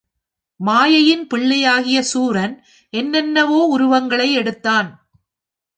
மாயையின் பிள்ளையாகிய சூரன் என்ன என்னவோ உருவங்களை எடுத்தான்.